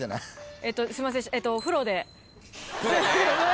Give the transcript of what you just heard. えっとすいません。